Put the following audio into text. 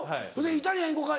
「イタリアン行こか」